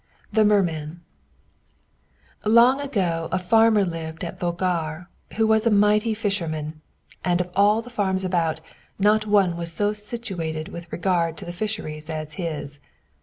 THE MERMAN Long ago a farmer lived at Vogar, who was a mighty fisherman; and of all the farms about, not one was so well situated with regard to the fisheries as his.